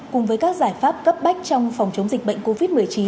cùng với các giải pháp cấp bách trong phòng chống dịch bệnh covid một mươi chín